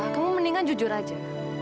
kamu mendingan jujur aja